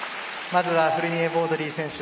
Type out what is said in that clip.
まずはフルニエボードリー選手。